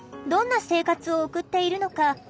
どんな生活を送っているのか